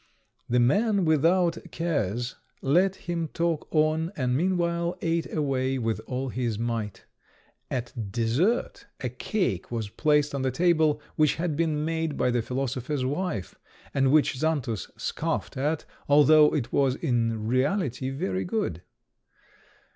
The man without cares let him talk on, and meanwhile ate away with all his might. At dessert a cake was placed on the table, which had been made by the philosopher's wife, and which Xantus scoffed at, although it was in reality very good.